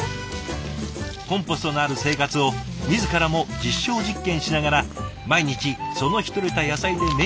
コンポストのある生活を自らも実証実験しながら毎日その日とれた野菜でメニューを考える。